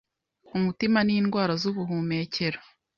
umutima, n’indwara z’ubuhumekero